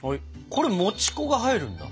これもち粉が入るんだ。